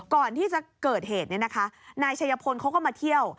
ก่อนที่จะเกิดเหตุนายชัยพลเขาก็มาเที่ยว